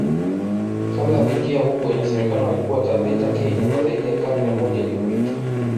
Kabla ya kuingia huko inasemekana walikuwa Taveta Kenya kwa zaidi ya karne moja iliyopita